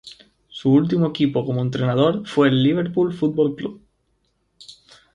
Su último equipo como entrenador fue el Liverpool Football Club.